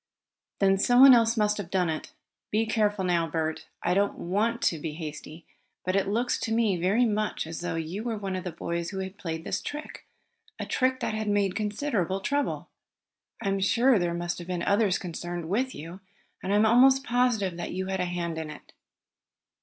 "Then someone else must have done it. Be careful now, Bert. I don't want to be hasty, but it looks to me very much as though you were one of the boys who had played this trick a trick that has made considerable trouble. I am sure there must have been others concerned with you, and I am almost positive that you had a hand in it.